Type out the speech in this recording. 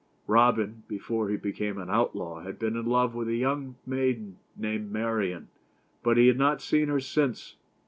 Robin, before he became an outlaw, had been in love with a young maiden named Marian, but he had not seen her / since.